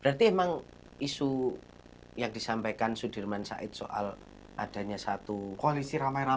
berarti emang isu yang disampaikan sudirman said soal adanya satu koalisi ramai ramai